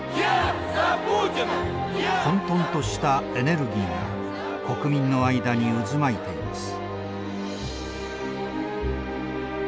混とんとしたエネルギーが国民の間に渦巻いています。